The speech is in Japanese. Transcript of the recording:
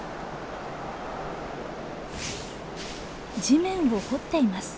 地面を掘っています。